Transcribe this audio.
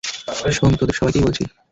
শোন, তোদের সবাইকেই বলছি।